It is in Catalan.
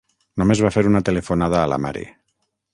Només va fer una telefonada a la mare.